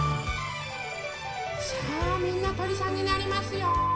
さあみんなとりさんになりますよ。